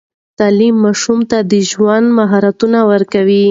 تعليم ماشوم ته د ژوند مهارتونه ورکوي.